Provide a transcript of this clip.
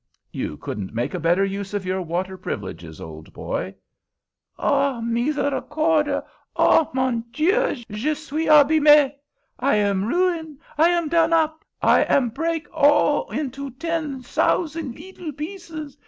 "You couldn't make a better use of your water privileges, old boy!" "Ah, miséricorde! Ah, mon dieu, je suis abîmé. I am ruin! I am done up! I am break all into ten sousan leetle pieces!